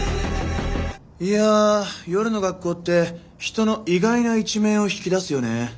いや夜の学校って人の意外な一面を引き出すよね。